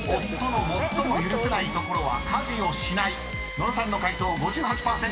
［野呂さんの解答５８％。